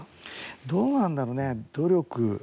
どうなんだろうね、努力？